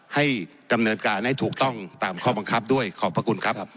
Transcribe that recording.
ให้ดำเนินการให้ถูกต้องตามข้อบังคับด้วยขอบพระคุณครับ